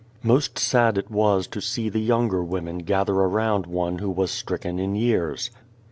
Most sad it was to see the younger women gather around one who was stricken in years.